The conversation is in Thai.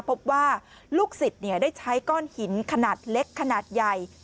พบว่าลูกศิษย์ได้ใช้ก้อนหินขนาดเล็กขนาดใหญ่